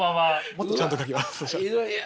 もっとちゃんと描きます。